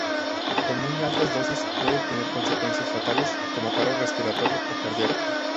En muy altas dosis puede tener consecuencias fatales como paro respiratorio o cardíaco.